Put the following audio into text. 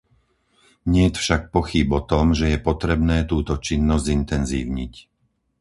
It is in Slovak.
Niet však pochýb o tom, že je potrebné túto činnosť zintenzívniť.